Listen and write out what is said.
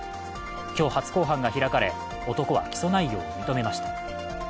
今日、初公判が開かれ、男は起訴内容を認めました。